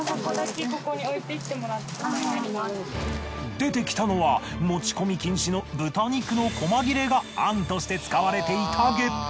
出てきたのは持ち込み禁止の豚肉の細切れがあんとして使われていた月餅。